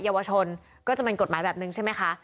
เยาวชนก็จะเป็นกฎหมายแบบนึงใช่ไหมคะ